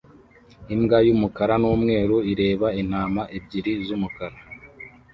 Imbwa y'umukara n'umweru ireba intama ebyiri z'umukara